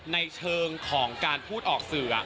ในเชิงของการพูดออกสื่อ